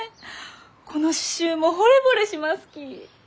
この刺しゅうもほれぼれしますき。